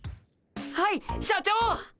はい社長っ！